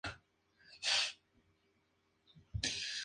El museo cuenta con una tienda de regalos y publica un boletín trimestral.